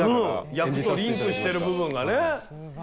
役とリンクしてる部分がね。